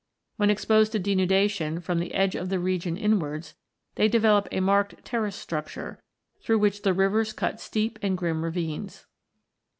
When exposed to denudation from the edge of the region inwards, they develop a marked terrace structure, through which the rivers cut steep and grim ravines.